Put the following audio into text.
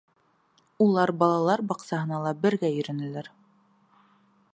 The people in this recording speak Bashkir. Улар балалар баҡсаһына ла бергә йөрөнөләр.